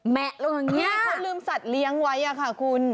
ลงอย่างนี้เขาลืมสัตว์เลี้ยงไว้อะค่ะคุณ